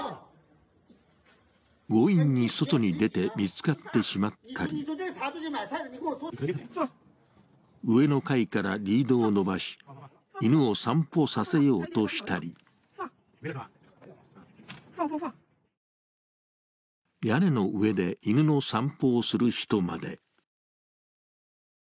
強引に外に出て見つかってしまったり上の階からリードを伸ばし、犬を散歩させようとしたり、屋根の上で犬の散歩をする人まで。